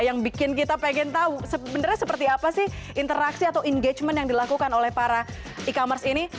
yang bikin kita pengen tahu sebenarnya seperti apa sih interaksi atau engagement yang dilakukan oleh para e commerce ini